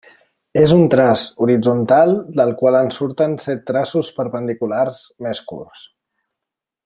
És un traç horitzontal del qual en surten set traços perpendiculars més curts.